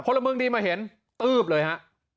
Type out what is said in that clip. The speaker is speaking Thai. ละเมืองดีมาเห็นตื๊บเลยฮะ